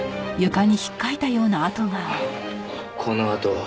この跡。